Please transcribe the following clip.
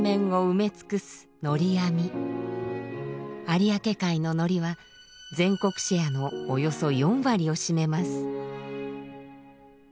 有明海ののりは全国シェアのおよそ４割を占めます。